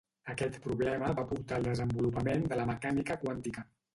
Aquest problema va portar al desenvolupament de la mecànica quàntica.